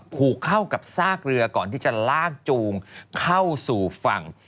ผูกเข้ากับซากเรือก่อนที่จะลากจูงเข้าสู่ฝั่ง